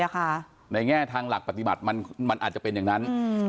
ในแง่ทางหลักปฏิบัติมันอาจจะเป็นอย่างนั้น